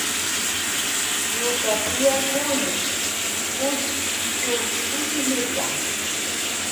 Ñuka tiyakuni rkushp shuk kushilluta.